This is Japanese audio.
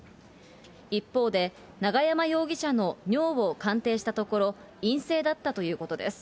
一方で、永山容疑者の尿を鑑定したところ、陰性だったということです。